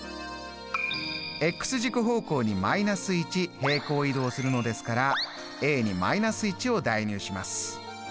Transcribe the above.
軸方向に−１平行移動するのですからに−１を代入します。